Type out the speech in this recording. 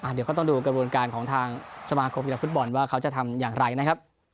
เดี๋ยวก็ต้องดูกระบวนการของทางสมาคมกีฬาฟุตบอลว่าเขาจะทำอย่างไรนะครับ